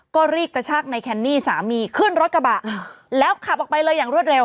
ก็รีบกระชากในแคนนี่สามีขึ้นรถกระบะแล้วขับออกไปเลยอย่างรวดเร็